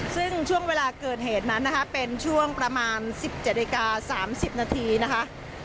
ซึ่งช่วงเวลาเกิดเหตุนั้นนะคะเป็นช่วงประมาณ๑๗นาฬิกา๓๐นาทีนะคะ